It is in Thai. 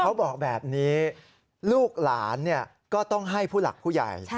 เขาบอกแบบนี้ลูกหลานก็ต้องให้ผู้หลักผู้ใหญ่